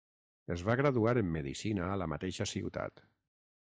Es va graduar en medicina a la mateixa ciutat.